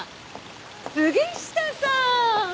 杉下さん！